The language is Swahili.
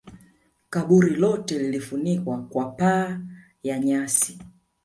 Kaburi lote lilifunikwa kwa paa ya nyasi